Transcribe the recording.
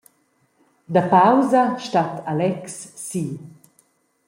Da pausa stat Alex si.